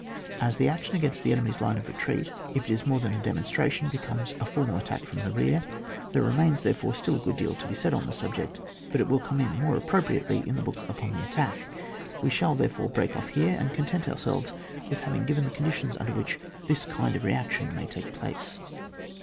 As the action against the enemy's line of retreat,, if it is more than a demonstra tion, becomes a formal attack from the rear, there remains therefore still a good deal to be said on the subject, but it will come in more appropriately in the book upon the attack; we shall therefore break off here and content ourselves with having given the conditionB under which this kind of reaction may take place.